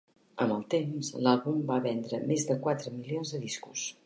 Amb el temps, l'àlbum va vendre més de quatre milions de discos.